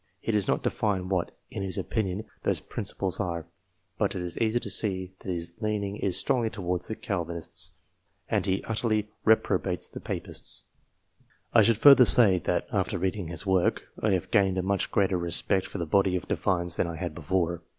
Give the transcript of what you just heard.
He does not define what, in his opinion, those principles are, but it is easy to see that his leaning is strongly towards the Calvinists, and he utterly reprobates the Papists. I should further say, that, after reading his work, I have gained a much greater respect for the body of Divines than I had before.